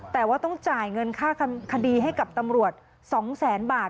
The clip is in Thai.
แต่ว่าต้องจ่ายเงินค่าคดีให้กับตำรวจ๒แสนบาท